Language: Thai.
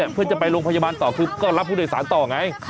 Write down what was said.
เพื่อจะไปโรงพยาบาลต่อคือก็รับผู้โดยสารต่อไง